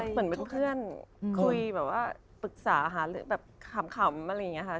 เหมือนเป็นเพื่อนคุยแบบว่าปรึกษาหาเรื่องแบบขำอะไรอย่างนี้ค่ะ